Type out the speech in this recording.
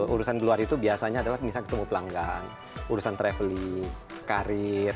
urusan di luar itu biasanya adalah misalnya ketemu pelanggan urusan traveling karir